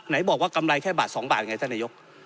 อ้อไหนบอกว่ากำไรแค่บาท๒บาทไงท่านนายก